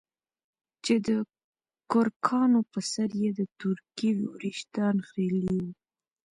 چې دکرکانو په سر يې د تورکي وريښتان خرييلي وو.